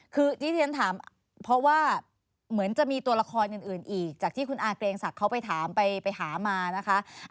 คือที่ฉันถามเพราะว่าเหมือนจะมีตัวละครอื่นอีกจากที่คุณอาเกรงศักดิ์เขาไปถามไปหามานะคะ